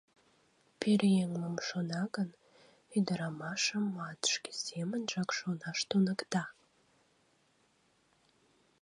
Пӧръеҥ мом шона гын, ӱдырамашымат шке семынжак шонаш туныкта.